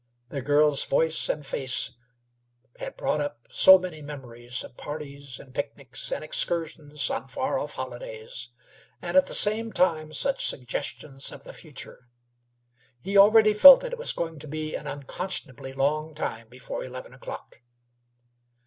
The girl's voice and face had brought up so many memories of parties and picnics and excursions on far off holidays, and at the same time held suggestions of the future. He already felt that it was going to be an unconscionably long time before eleven o'clock.